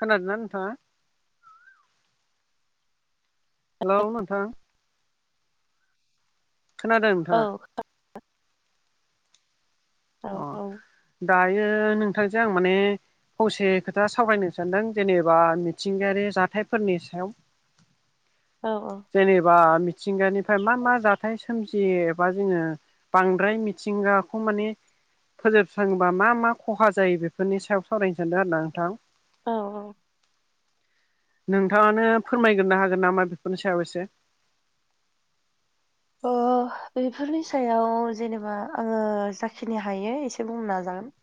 खोनादों ना नोंथाङा हेलौ नोंथां खोनादों नोंथांङा औ औ अ औ दायो नोंथांजों आं माने फंसे खोथा सावरायनो सानदों जेनेबा मिथिंगायारि जाथायफोरनि सायाव औ औ जेनेबा मिथिंगानिफ्राय मा मा जाथाय सोमजियो एबा जोंङो। बांद्राय मिथिंगाखौ माने फोजोबस्रांङोबा मा मा खहा जायो बेफोरनि सायाव सावरायनो सान्दों आरोना नोंथां औ औ नोंथांङानो फोरमायगोरनो हागोन नामा बेफोरनि सायाव एसे अ बेफोरनि सायाव जेनेबा आंङो जाखिनि हायो एसे बुंनो नाजागोन।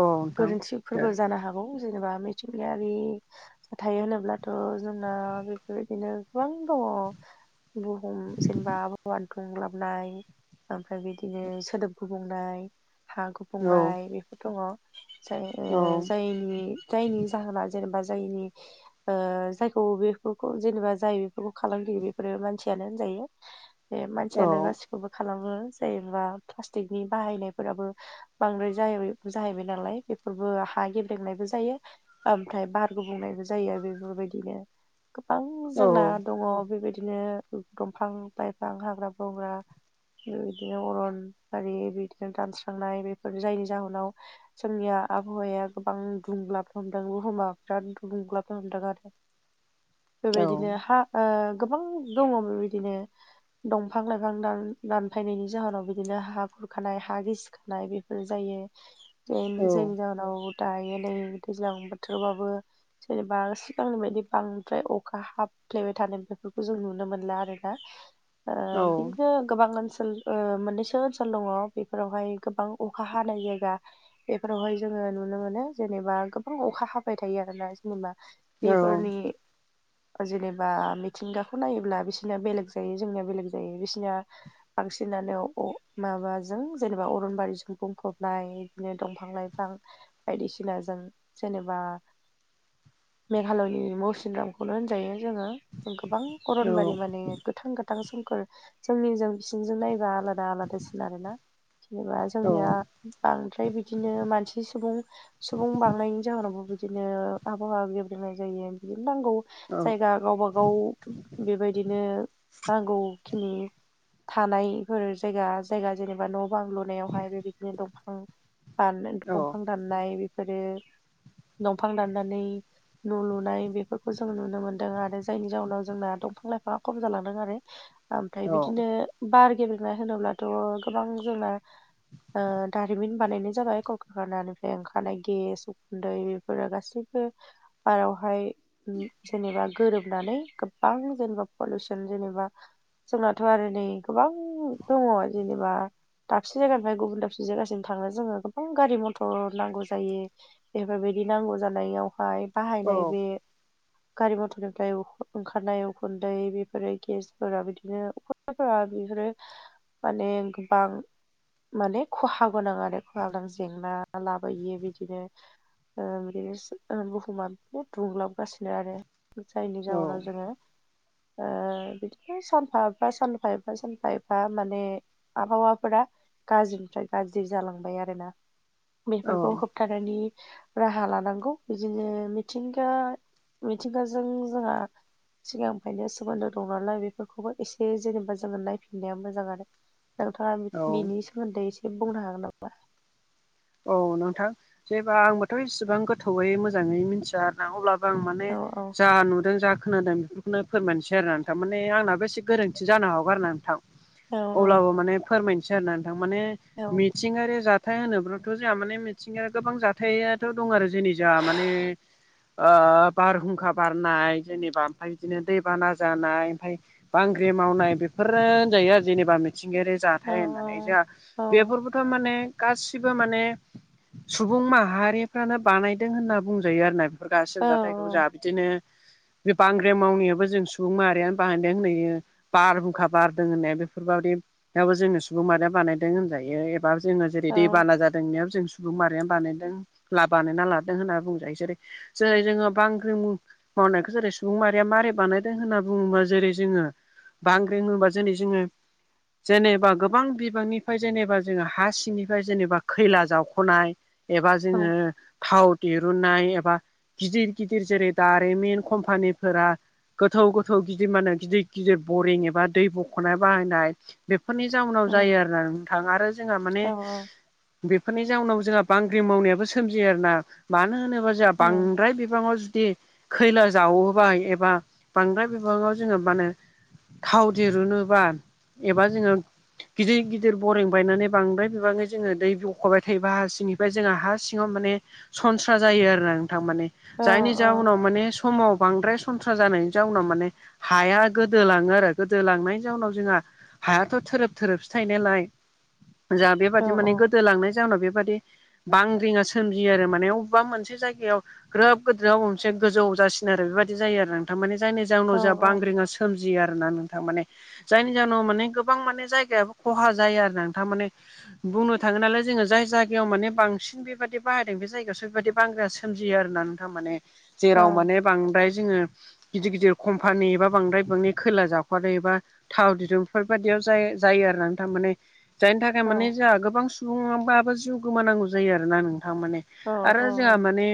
औ नोंथां गोरोन्थि दे। फोरबो जानो हागौ जेनेबा मिथिंगायारि थायो होनोब्लाथ' जोंना बेफोरबायदिनो गोबां दंङ। बुहुम जेनेबा आबहावा दुंग्लाबनाय ओमफ्राय बिदिनो सोदोब गुबुंनाय हा औ गुबुंनाय बेफोर दङ। जाय औ ओ जायनि जायनि जाहोना जेनेबा जायनि ओ जायखौ बेफोरखौ जेनेबा जाय बेफोरखौ खालामदो बेफोर मानसियानो होनजायो। [inaudible] ए औ मानसियानो गासि बखौबो खालामो। जेनबा प्लास्टिकनि बाहायनायफोराबो बांद्राय जाहैबा जाहैबाय नालाय बेफोरबो हा गेब्रेंनायबो जायो। ओमफ्राय बार गुबुंनायबो जायो आरो बेफोरबायदिनो गोबां औ जोंना दङ' बेबायदिनो दंफां लाइफां हाग्रा बंग्रा बेबायदिनो अरन बारि बिदिनो दानस्रांनाय बेफोर जायनि जाहोनाव जोंनिया आबहावाया गोबां दुंलाब हमदों बुहुमा बिराद दुंग्लाबनो हमदों आरो। [inaudible] बेबायदिनो हा ओ गोबां दङ' बेबायदिनो दंफां लाइफां दान-दानफायनायनि जाहोनाव बिदिनो हा खुरखानाय हा गिसि खानाय बेफोर जायो। जेन जायनि जाहोनाव दायो नै दैज्लां बोथोरबाबो जेनेबा सिगांनि बायदि बांद्राय अखा हाफ्लेबाय थानाय बेफोरखौ जों नुनो मोनला आरोना। [inaudible] ओ बिदिनो गोबां ओनसोल ओ मोननैसो ओनसोल दङ' बेफोरावहाय गोबां अखा हानाय जायगा बेफोरावहाय जोङो नुनो मोनो। जेनेबा गोबां अखा हाबाय थायो आरोना जेनेबा बिफोरनि ओ जेनेबा मिथिंगाखौ नायोब्ला बिसिना बेलेग जायो जोंनिया बेलेग जायो। बिसिना बांसिनानो अ माबाजों जेनेबा अरनबारिजों बुंफबनाय। बिदिनो दंफां लाइफां बायदिसिनाजों जेनेबा मेघालयनि मौसिनद्रामखौनो होनजायो जोङो गोबां औ अरनबारि माने गोथां गो थां सोमखोर जोंनिजों बिसिनिजों नायबा आलादा आलादा सिन आरो ना। जेनेबा औ जोंनिया बांद्राय बिदिनो मानसि सुबुं सुबुं बांनायनि जाहोनावबो बिदिनो आबहावा गेब्रेंनाय जायो। बिदिनो नांगौ जायगा गावबागाव बेबायदिनो नांगौखिनि थानायफोर जायगा जायगा जेनेबा न' बां लुनायावहाय बेबायदिनो दंफां फाननो दंफां दाननाय बेफोरबादि दंफां दाननानै न' लुनाय बेफोरखौ जों नुनो मोनदों आरो। जायनि जाउनाव जोंना दंफां लाइफाङा खम जालांदों आरो। ओमफ्राय बिदिनो बार गेब्रेंनाय होनोब्लाथ' गोबां जोंना ओ दारिमिन बानायनाय जाबाय। कलकारखानानिफ्राय ओंखारनाय गेस उखुन्दै बेफोरो गासैबो बारावहाय उम जेनेबा गोरोबनानै गोबां जेनेबा पलुसन जेनेबा जोंनाथ' आरो नै गोबां दङ' जेनेबा दाबसे जायगानिफ्राय गुबुन दाबसे जायगासिम थाङो जोङो गोबां गारि मथर नांगौ जायो। बेफोरबायदि नांगौ जानायावहाय औ बाहायनाय बे गारि मथरनिफ्राय अ ओंखारनाय उखुन्दै, बेफोरो गेसफोरा बिदिनो [unintelligible] बेफोरो माने गोबां माने खहा गोनां आरो खहागां जेंना लाबोयो बिदिनो ओम रिस ओं बुहुमा बुहुद दुंलाबगासिनो आरो। जायनि जाउनाव जोङो ओ बिदिनो सानफा एफा सानफा एफा सानफा एफा माने आबहावाफोरा गाज्रिनिफ्राय गाज्रि जालांबाय आरोना। बेफोरखौ होब थानानि राहा लानांगौ। बिदिनो मिथिंगा मिथिंगाजों जोंहा सिगांनिफ्रायनो सोमोन्दो दं नालाय बेफोरखौबो एसे जेनेबा जोङो नायफिननाया मोजां आरो। नोंथाङा बि-बिनि सोमोन्दै एसे बुंनो हागोन नामा? औ नोंथां जेबा आंबोथ' इसिबां गोथौयै मोजाङै मिथिया अब्लाबो आं माने औ औ जा नुदों जा खोनादों बेखौनो फोरमायनोसै आरो ना नोंथां माने आंनाबो एसे गोरोन्थि जानो हागौ आरो ना नोंथां औ अब्लाबो माने फोरमायनोसै आरोना नोंथां माने औ मिथिंगायारि जाथाय होनोबा थ' जोंहा माने मिथिंगायारि गोबां जाथायाथ' दं आरो जोंनि जा माने ओ बारहुंखा बारनाय जेनेबा ओमफाय बिदिनो दैबाना जानाय ओमफाय बांग्रि मावनाय बेफोरो होनजायो आरो जेनेबा मिथिंगायारि औ जाथाय होननानै जोंहा औ बेफोरबोथ' माने गासि सिबो माने सुबुं माहारिफ्रानो बानायदों होनना बुंजायो आरो ना बे गासिबो जाथायखौ जा बिदिनो बे बांग्रिं मावनायाबो जों सुबुं माहारियानो बानायदों [unintelligible] बारहुंखा बारदों होननाया बेफोरबायदियाबो जोंनि सुबुं मारिया बानायदों होनजायो औ [unintelligible] जादों जों सुबुं मारियानो बानायदों ला बानायना लादों होनना बुंजायो जेरै जेरै जोङो बांग्रि मावनायखौ जेरै सुबुं मारिया मारै बानायदों होनना बुङोबा जेरै जोङो बांग्रि होनबा जेनै जोङो जेनेबा गोबां बिबांनिफ्राय जेनेबा जोङो हा सिंनि फ्राय जेनेबा खैला जावख'नाय एबा जोङो थाव दिरुननाय एबा गिदिर गिदिर जेरै दारिमिन कम्पानिफोरा गोथौ गोथौ गिदिर माने गिदिर गिदिर बरिं एबा दै बख'नाय बानायनाय बेफोरनि जाउनाव जायो आरोना नोंथां आरो जोंना माने अह बेफोरनि जाउनाव जोंहा बांग्रि मावनायाबो सोमजियो आरोना मानो होनोबा जोआ बांद्राय बिबाङाव जुदि खैला जावोबाय एबा बांद्राय बिबाङाव जोङो मा होनो थाव दिरुनोबा एबा जोङो गिदिर गिदिर बरिं बायनानै बांद्राय बिबाङै जोङो दै बख'बाय थायोबा हा सिंनिफ्राय जोङा हा सिङाव माने सनस्रा जायो आरोना नोंथां माने जायनि जाउनाव माने समाव बांद्राय सनस्रा जानायनि जाउनाव माने हाया गोदोलाङो आरो गोदोलांनायनि जाउनाव जोंहा हायाथ' थोरोब थोरोबसो थायोनालाय जा औ बेबादि माने औ गोदोलांनाय जााहोनाव बेबादि बांग्रिङा सोमजियो आरो माने अबेबा मोनसे जायगायाव ग्रोब [unintelligible] मोनसे गोजौ जासिनो आरो बेबायदि जायो आरो नोंथां मानि जायनि औ जाउनाव जा बांग्रिङा सो सोमजियो आरो ना नोंथां माने जायनि जाहोनाव माने गोबां माने जायगायाबो खहा जायो आरो ना नोंथां माने बुंनो थाङो नालाय जोङो जाय जायगायाव माने बांसिन बेबायदि बाहायदों बे जायगायावसो बेबायदि बांग्रिङा सो सोमजियो आरोना नोंथां माने औ जेराव माने बांद्राय जोङो गिदिर गिदिर कम्पानि एबा बांद्राय बिबांनि खैला जावखारो एबा थाव दिरुं बेफोरबायदियाव जाय जायो आरो ना नोंथां माने जाय औ माने जोंहा गोबां सुबुंबाबो जिउ गोमानांगौ जायो आरो ना नोंथां माने ओं आरो जोंहा ओं माने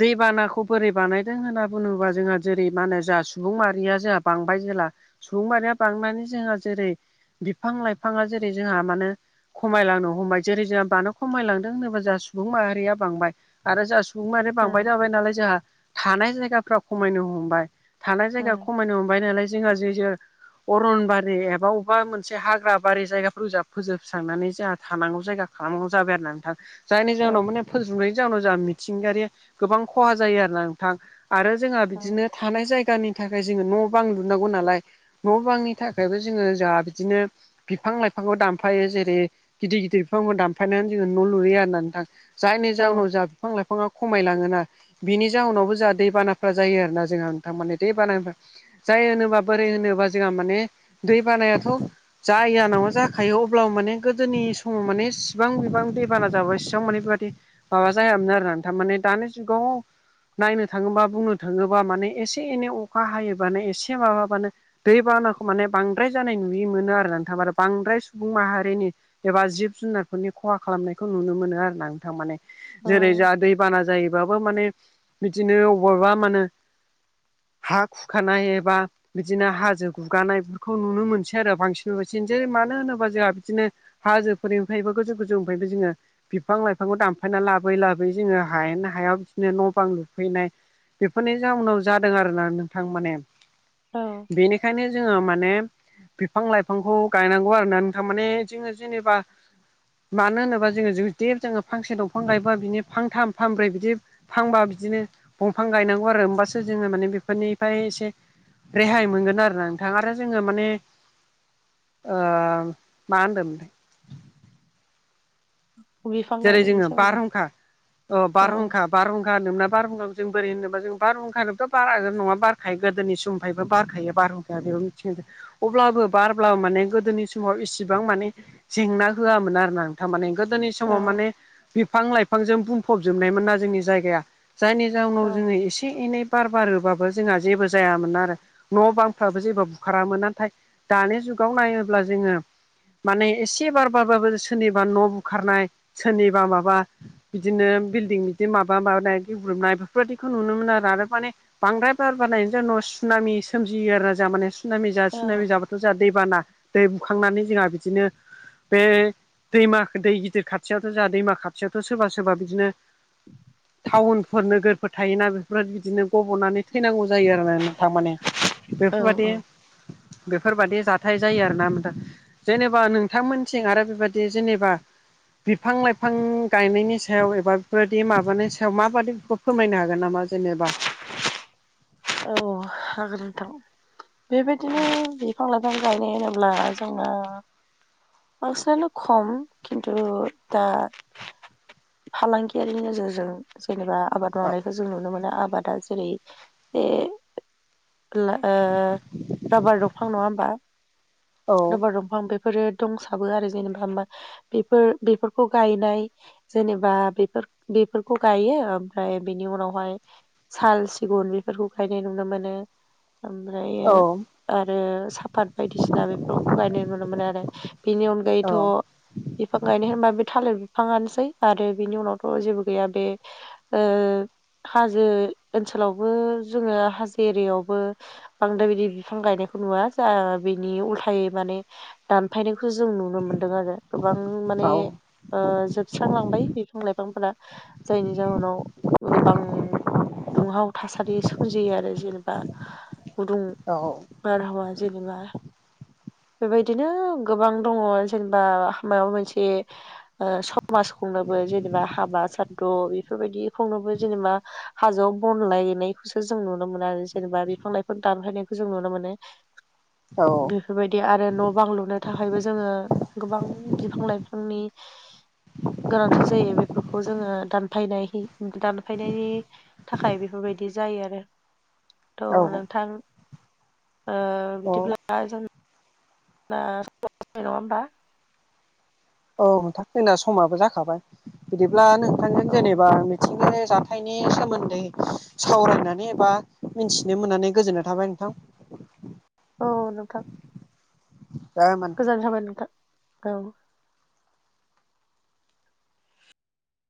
दैबानाखौ बोरै बानायदों होनना बुङोबा जोंहा जेरै मा होनो जों सुबुं माहारिया जोंहा बांबाय जेला सुबुं माहारिया बांनानै जोंहा जेरै बिफां लाइफाङा जेरै जोंहा मानो खमायलांनो हमबाय जेरै जोंहा मानो खमायलांदों होनोबा जोहा सुबुं माहारिया बांबाय आरो जोंहा सुबुं माहारिया औ बांबाय जाबाय नालाय जोंहा थानाय जायगाफ्रा खमायनो हमबाय थानाय जायगा खमायनो हमबाय नालाय जोहा जे जे अरनबारि एबा अबेबा मोनसे हाग्रा बारि जायगाफोर ज फोजोब स्रांनानै जोंहा थानांगौ जायगा खालामनांगौ जाबाय आरो ना नोंथां जायनि जाहनाव माने फोजोबनायनि जाउनाव जोंहा मिथिंगायारि गोबां खहा जायो आरो ना नोंथां आरो जोंहा बिदिनो थानाय जायगानि थाखाय जोङो न' बां लुनांगौ नालाय न' बांनि थाखायबो जोङो जोंहा बिदिनो बिफां लाइफांखौ दान फायो जेरै गिदिर गिदिर बिफांखौ दानफायनानै जोङो न' लुयो आरो ना नोंथां जायनि जाहोनाव जा बिफां लाइफाङा खमायलाङोना। बिनि जााहनावबो जोंहा दैबानाफ्रा जायो आरोना जोंहा नोंथांमाने दैबानाफ्रा जायो होनोबा बोरै होनोबा जोंहा माने दै बानायाथ' जाया नङा जा खायो अब्लाबो माने गोदोनि समाव माने इसिबां बिबां दैबाना जाबाय इसिबां माने बेबादि माबा जायामोन आरोना थारमाने दानि जुगाव नायनो थाङोबा बुंनो थाङोब्ला माने एसे एनै अखा हायोबानो एसे माबाबानो दै बानाखौ माने बांद्राय जानाय नुयि मोनो आरो नोंथां मा बांद्राय सुबुं माहारिनि एबा जिब जुनारफोरनि खहा खालामनायखौ नुनो मोनो आरो ना थारमाने। औ जेरै जाहा दैबाना जायोबाबो माने बिदिनो अबावबा मा होनो हा खुखानाय एबा बिदिनो हाजो गुगानायफोरखौ नुनो मोनसै आरो बांसिन बांसिन जै मानो होनोब्ला जोंहा बिदिनो हाजोफोरनिफ्रायबो गोजौ गोजौनिफ्रायबो जोङो बिफां लाइफांखौ दानफायनानै लाबोयै लाबोयै जोङो हायेन हायाव बिदिनो न' बां लुफैनाय बेफोरनि जाउनाव जादों आरोना नोंथां माने। औ बेनिखायनो जोङो माने बिफां लाइफांखौ गायनांगौ आरोना। थारमाने जोङो जेनेबा मानो होनोबा जोङो जुदि जोङो फांसे दंफां गायबा बिनि फांथाम फानब्रै बिदि फांबा बिदिनो दंफां गायनांगौ आरो होमबासो जोङो माने बेफोरनिफ्राय एसे रेहाय मोनगोन आरो ना नोंथां आरो जोङो माने ओ मा मोनदोंमोन [unintelligible] जेरै जोङो सोमोन्दै बारहुंखा अ औ बारहुंखा बारहुंखा होनोना बारहुंखाखौ जों बोरै होनोबा जों बारहुंखानोथ' बारा नङा बारखायो गोदोनि सम बहायबो बारखायो बारहुंखाया बेबो मिथि अब्लाबो बारब्लाबो माने गोदोनि समाव इसिबां माने जेंना होआमोन आरो ना थार माने गोदोनि औ समाव माने बिफां लाइफां जों बुंफबजोबनायमोन ना जोंनि जायगाया जायनि जाउनाव औ जोङो एसे एनै बार बारोबाबो जोंहा जेबो जायामोन आरो न' बांफ्राबो जेबो बुखारामोन नाथाय दानि जुगाव नायोब्ला जोङो माने एसे बारबाबो सोरनिबा न' बुखारनाय सोरनिबा माबा बिदिनो बिल्डिं बिदि माबा माबानाय गेबग्रुबनाय बेफोरबायदिखौ नुनो मोनो आरो आरो माने बांद्राय बार बानाय जों न' सुनामि सोमजियो आरो ना जा माने सुनामि जा सुनामि जाब जोंहा दैबाना दै बुखांनानै जोंहा बिदिनो बे दैमा दै गिदिर खा खाथियावथ' जोहा दैमा खाथियावथ' सोरबा सोरबा बिदिनो टाउनफोर नोगोर फोर थायोना बेफोर बिदिनो गब'नानै थैनांगौ जायो आरो ना नोंथां माने औ बेफोरबादि बेफोरबायदि जाथाय जायो आरोना नोंथां जेनेबा नोंथांमोनथिं आरो बेबायदि जेनेबा बिफां लाइफां गायनायनि सायाव एबा बेफोरबायदि माबानि सायाव माबादि बेखौ फोरमायनो हागोन नामा जेनेबा? औ हागोन नोंथां बेबायदिनो बिफां लाइफां गायनाय होनोब्ला जोंना बांसिनानो खम खिन्थु दा फालांगियारिनि नोजोरजों जेनेबा आबाद औ मावनायखौ जों नुनो मोनो आबादा जेरै ए ओ राबार दंफां नङा होमबा? औ राबार दंफां बेफोरो दंसाबो आरो जेनेबा बेफोर बेफोरखौ गायनाय जेनेबा बेफोर बेफोरखौ गायो ओमफ्राय बेनि उनावहाय साल सिगुन बेफोरखौ गायनाय नुनो मोनो ओमफ्रायो औ आरो साफात बायदिसिना बेफोरावबो गायनाय नुनो मोनो आरो बेनि औ अनगायैथ' बिफां गायनाय होनबा बे थालिर बिफांआनोसै आरो बिनि उनावथ' जेबो गैया बे ओ हाजो ओनसोलावबो जोङो हाजो एरियायावबो बांद्राय बिदि बिफां गायनायखौ नुवा जा बिनि उल्थायै माने दानफायनायखौ जों नुनो मोनदों आरो गोबां माने जोब थांलांबाय बिफां लाइफांफोरा जायनि जाहोनाव गोबां दुंहाव थासारि सोमजियो आरो जेनेबा गुदुं बारहावा जेनेबा बेबायदिनो गोबां दङ जेनेबा माबा मोनसे ओ सा मास खुंनोबो जेनेबा हाबा सादद' बेफोरबायदि खुंनोबो जेनेबा हाजोआव बनलायनायखौसो जों नुनो मोनो आरो जेनेबा बिफां लाइफोर दानफायनायखौ जों नुनो मोनो। [inaudible] दो बेफोरबायदि आरो न' बां लुनो थाखायबो जोङो गोबां बिफां लाइफांनि गोनांथि जायो बेफोरखौ जोङो दानफायनाय दानफायनायनि थाखाय बेफोरबायदि जायो आरो। थ' नोंथां औ बिदिब्ला जों दा समाबो जाबाय नङा होमबा? औ नोंथां जोंना समाबो जाखाबाय बिदिब्ला नोंथांजों औ जेनेबा आथिं जाथायनि सोमोन्दै सावरायनानै एबा मिथिनो मोननानै गोजोननाय थाबाय नोंथां। औ नोंथां। जाय माने गोजोन्नाय थाबाय नोंथां औ।